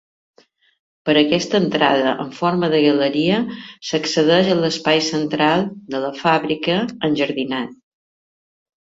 Per aquesta entrada en forma de galeria s'accedeix a l'espai central de la fàbrica, enjardinat.